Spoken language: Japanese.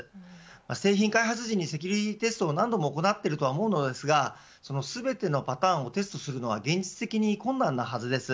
製品開発時にセキュリティーテストを何度も行っているとは思うのですがその全てのパターンをテストするのは現実的に困難なはずです。